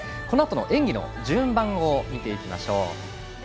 このあとの演技の順番を見ていきましょう。